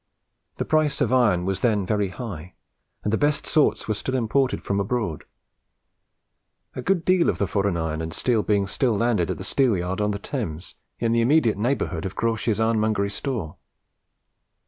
The price of iron was then very high, and the best sorts were still imported from abroad; a good deal of the foreign iron and steel being still landed at the Steelyard on the Thames, in the immediate neighbourhood of Crawshay's ironmongery store.